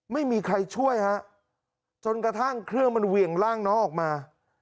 ไม่มีใครช่วยฮะจนกระทั่งเครื่องมันเหวี่ยงร่างน้องออกมา